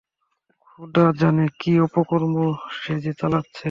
খোদা জানে কী অপকর্ম যে সে চালাচ্ছে!